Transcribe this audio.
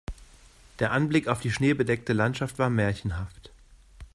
Der Anblick auf die schneebedeckte Landschaft war märchenhaft.